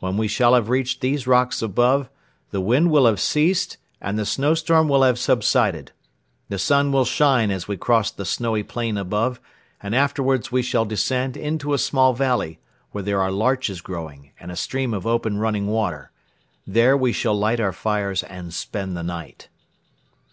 When we shall have reached these rocks above, the wind will have ceased and the snowstorm will have subsided. The sun will shine as we cross the snowy plain above and afterwards we shall descend into a small valley where there are larches growing and a stream of open running water. There we shall light our fires and spend the night."